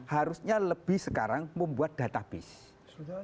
harusnya lebih sekarang membuat database